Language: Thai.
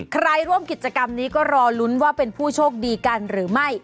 ร่วมกิจกรรมนี้ก็รอลุ้นว่าเป็นผู้โชคดีกันหรือไม่